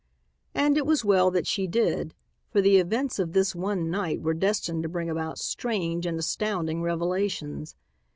And it was well that she did, for the events of this one night were destined to bring about strange and astounding revelations.